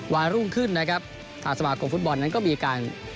วันรุ่งขึ้นนะครับทางสมาคมฟุตบอลนั้นก็มีการ